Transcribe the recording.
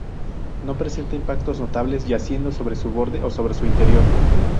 No presenta impactos notables yaciendo sobre su borde o sobre su interior.